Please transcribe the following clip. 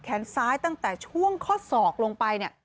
แขนซ้ายตั้งแต่ช่วงข้อศอกลงไปเนี่ย